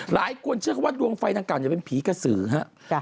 หลายคนเชื่อว่ารวงไฟดังกล่าวจะเป็นผีกระสือครับ